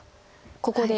ここで。